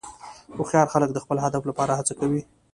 هوښیار خلک د خپل هدف لپاره هڅه کوي.